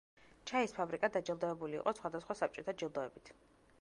ჩაის ფაბრიკა დაჯილდოებული იყო სხვადასხვა საბჭოთა ჯილდოებით.